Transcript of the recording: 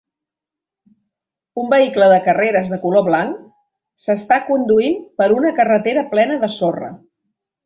Un vehicle de carreres de color blanc s"està conduint per una carretera plena de sorra.